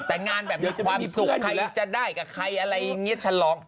แต่งานแบบความสุขใครจะได้กับใครเชิญลอง